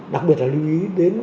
đặc biệt là lưu ý đến